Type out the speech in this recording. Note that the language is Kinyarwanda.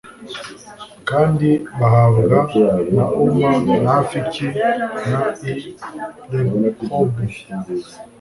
kandi bahabwa na Uma na Afika n i Rehobu